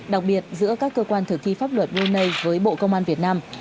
đặc biệt giữa các cơ quan thực thi pháp luật brunei với bộ công an việt nam